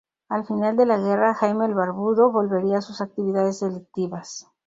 Al final de la guerra, Jaime el Barbudo volvería a sus actividades delictivas.